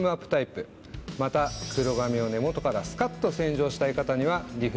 また黒髪を根元からスカっと洗浄したい方には。